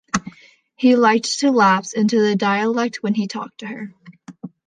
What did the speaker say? He liked to lapse into the dialect when he talked to her.